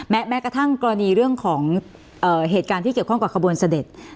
แม้กระทั่งกรณีเรื่องของเหตุการณ์ที่เกี่ยวข้องกับขบวนเสด็จ